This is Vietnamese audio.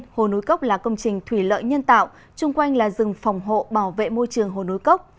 hồ núi cốc là công trình thủy lợi nhân tạo chung quanh là rừng phòng hộ bảo vệ môi trường hồ nối cốc